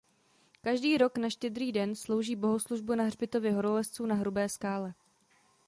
Každý rok na Štědrý den slouží bohoslužbu na hřbitově horolezců na Hrubé Skále.